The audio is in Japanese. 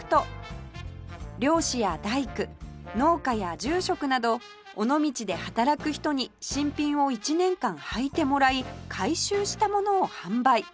漁師や大工農家や住職など尾道で働く人に新品を１年間はいてもらい回収したものを販売